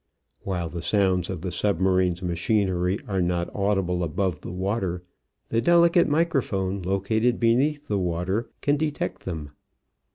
While the sounds of the submarine's machinery are not audible above the water, the delicate microphone located beneath the water can detect them.